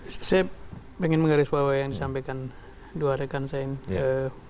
saya ingin menggarisbawa yang disampaikan dua rekan saya ini